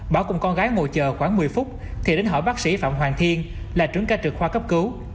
bảo cùng con gái ngồi chờ khoảng một mươi phút thì đến hỏi bác sĩ phạm hoàng thiên là trưởng ca trực khoa cấp cứu